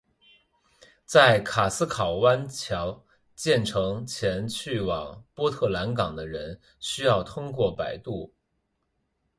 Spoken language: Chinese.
在卡斯考湾桥建成前去往波特兰港的人需要通过摆渡。